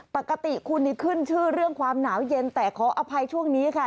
ปกติคุณนี่ขึ้นชื่อเรื่องความหนาวเย็นแต่ขออภัยช่วงนี้ค่ะ